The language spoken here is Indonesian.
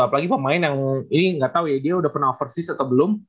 apalagi pemain yang ini gak tau ya dia udah pernah overseas atau belum